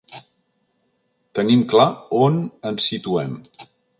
Tenim clar on ens situem.